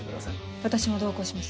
私も同行します。